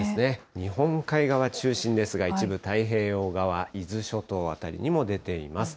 日本海側中心ですが、一部太平洋側、伊豆諸島辺りにも出ています。